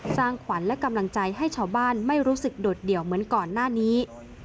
สร้างขวัญและกำลังใจให้ชาวบ้านไม่รู้สึกโดดเดี่ยวเหมือนก่อนหน้านี้